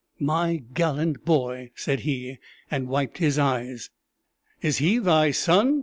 "My gallant boy!" said he, and wiped his eyes. "Is he thy son?"